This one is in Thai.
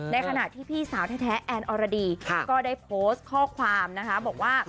ในขณะที่พี่สาวแท้แอนอรดีก็ได้โพสต์ข้อความนะคะบอกว่า